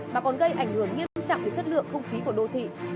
mà còn gây ảnh hưởng nghiêm trọng đến chất lượng không khí của đô thị